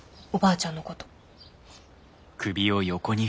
おばあちゃんのこと。